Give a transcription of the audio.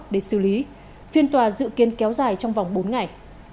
để xử lý phiên tòa dự kiến kéo dài trong vòng bốn ngày